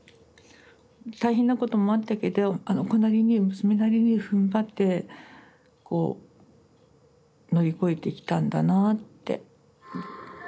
大変なこともあったけどあの子なりに娘なりにふんばってこう乗り越えてきたんだなあって。